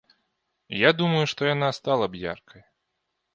Я думаю, што яна стала б яркай.